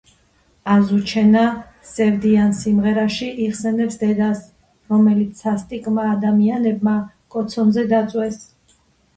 აზუჩენა სევდიან სიმღერაში იხსენებს დედას, რომელიც სასტიკმა ადამიანებმა კოცონზე დაწვეს.